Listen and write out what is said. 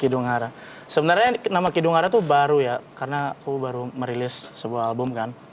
kidung hara sebenarnya nama kidung hara tuh baru ya karena aku baru merilis sebuah album kan